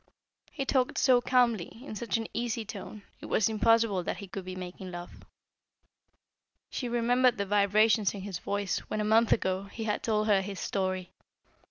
He talked so calmly, in such an easy tone, it was impossible that he could be making love. She remembered the vibrations in his voice when, a month ago, he had told her his story.